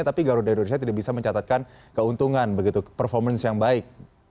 tapi garuda indonesia tidak bisa mencatatkan keuntungan begitu performance yang baik